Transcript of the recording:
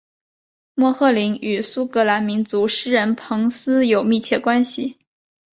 莫赫林与苏格兰民族诗人彭斯有密切关系。